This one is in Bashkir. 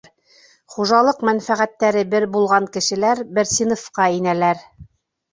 Хужалыҡ мәнфәғәттәре бер булған кешеләр бер синыфҡа инәләр.